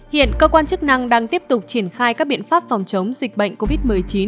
hiện cơ quan chức năng đang tiếp tục triển khai các biện pháp phòng chống dịch bệnh covid một mươi chín